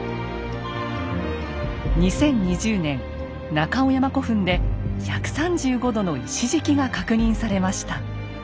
２０２０年中尾山古墳で１３５度の石敷きが確認されました。